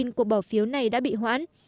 rằng cuộc bỏ phiếu này đã bị hoãn